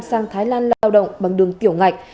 sang thái lan lao động bằng đường tiểu ngạch